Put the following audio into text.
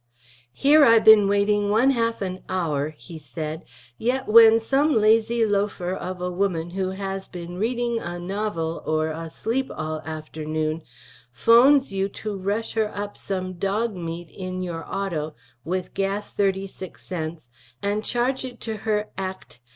Here I bin wateing ½ an our he said, yet when some lazy lofer of a woman who has been reading a novvle or a sleep all after noon pfhones you to rush her up some dog meet in youre Autto with gass 36 cts. & charge it to her acct.